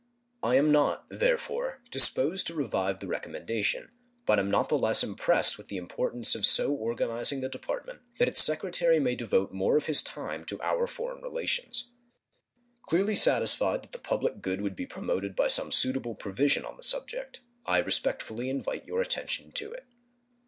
I am not, therefore, disposed to revive the recommendation, but am not the less impressed with the importance of so organizing that Department that its Secretary may devote more of his time to our foreign relations. Clearly satisfied that the public good would be promoted by some suitable provision on the subject, I respectfully invite your attention to it.